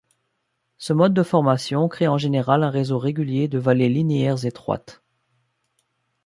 Ce mode de formation créé en général un réseau régulier de vallées linéaires étroites.